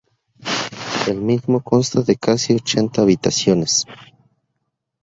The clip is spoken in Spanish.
El mismo consta de casi ochenta habitaciones.